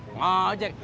enggak mau ojek